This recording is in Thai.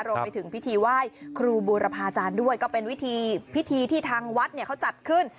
รวมไปถึงพิธีไหว้ครูบูรพาจารย์ด้วยก็เป็นวิธีพิธีที่ทางวัดเนี่ยเขาจัดขึ้น